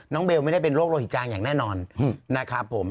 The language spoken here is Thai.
เบลไม่ได้เป็นโรคโลหิตจางอย่างแน่นอนนะครับผม